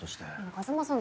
風真さん